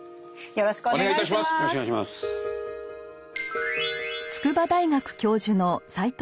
よろしくお願いします。